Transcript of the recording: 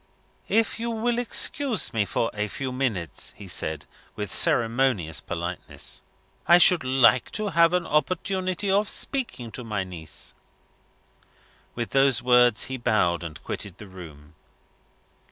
"If you will excuse me for a few minutes," he said, with ceremonious politeness, "I should like to have the opportunity of speaking to my niece." With those words, he bowed, and quitted the room.